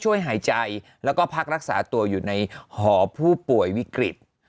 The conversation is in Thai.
หายใจแล้วก็พักรักษาตัวอยู่ในหอผู้ป่วยวิกฤต